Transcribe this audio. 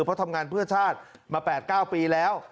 เพราะทำงานเพื่อชาติมา๘๙ปีแล้ว